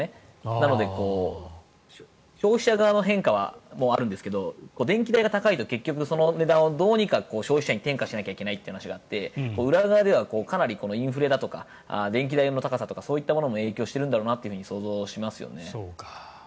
なので消費者側の変化もあるんですが電気代が高いと結局、その値段をどうにか消費者に転嫁しなくちゃいけなくて裏側ではインフレとか電気代の高さとかそういったものも影響しているんだろうなと想像しますよね。